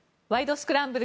スクランブル」